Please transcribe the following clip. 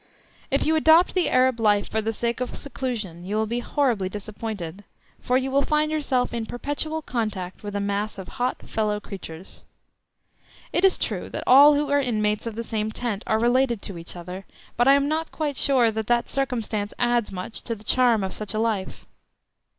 If you adopt the Arab life for the sake of seclusion you will be horribly disappointed, for you will find yourself in perpetual contact with a mass of hot fellow creatures. It is true that all who are inmates of the same tent are related to each other, but I am not quite sure that that circumstance adds much to the charm of such a life.